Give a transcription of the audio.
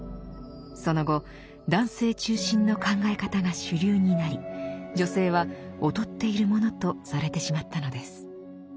その後男性中心の考え方が主流になり女性は劣っているものとされてしまったのです。